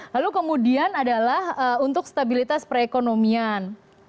lalu kemudian adalah untuk stabilitas perekonomian